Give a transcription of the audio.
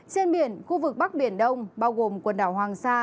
trên biển khu vực bắc biển đông bao gồm quần đảo hoàng sa